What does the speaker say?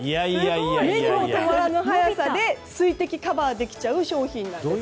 目にもとまらぬ速さで水滴をカバーできる商品なんです。